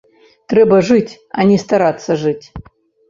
Трэба жыць, а не старацца жыць.